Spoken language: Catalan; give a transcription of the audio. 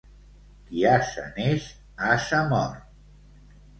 Qui ase neix, ase mor.